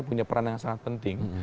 punya peran yang sangat penting